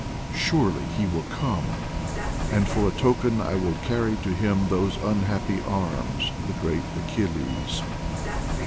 "Surely he will come, and for a token I will carry to him those unhappy arms of the great Achilles.